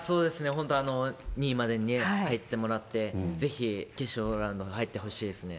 本当、２位までに入ってもらって、ぜひ決勝ラウンド入ってほしいですね。